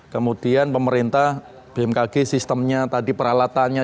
kemudian pemerintah bmkg sistemnya tadi peralatannya